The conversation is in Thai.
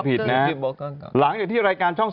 ก็ต้องเลียกัน